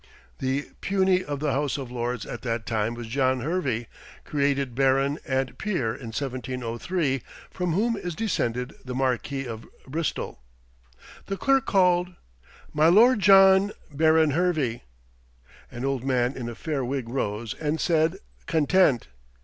The puisne of the House of Lords at that time was John Hervey, created Baron and Peer in 1703, from whom is descended the Marquis of Bristol. The clerk called, "My Lord John, Baron Hervey." An old man in a fair wig rose, and said, "Content."